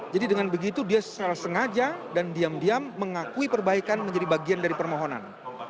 jadi dengan begitu dia sengaja dan diam diam mengakui perbaikan menjadi bagian dari permohonan